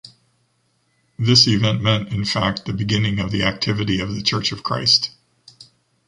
This event meant, in fact, the beginning of the activity of the Church of Christ.